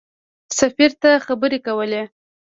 سفیر ته خبرې کولې.